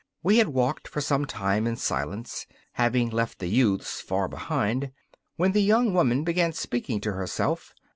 We had walked for some time in silence, having left the youths far behind, when the young woman began speaking to herself.